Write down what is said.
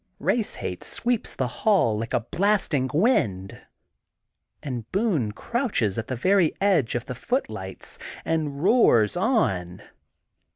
Race hate sweeps the hall like a blasting wind. And Boone crouches at the very edge of the footlights, and roars on.